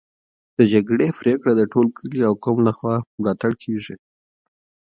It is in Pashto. د جرګې پریکړه د ټول کلي او قوم لخوا ملاتړ کيږي.